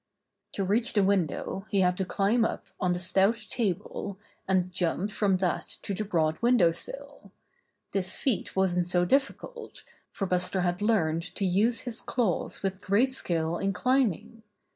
To reach the window he had to climb up on the stout table, and jump from that to the broad window sill. This feat wasn't so dif ficult, for Buster had learned to use his claws with great skill in climbing.